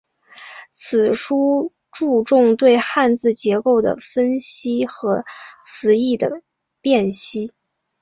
此书注重对汉字结构的分析和词义的辨析。